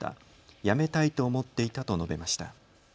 辞めたいと思っていたと述べました。